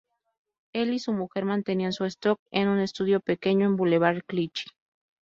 Él y su mujer mantenían su stock en un estudio pequeño en Bulevar Clichy.